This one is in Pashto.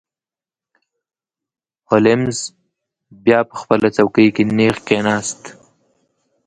هولمز بیا په خپله څوکۍ کې نیغ کښیناست.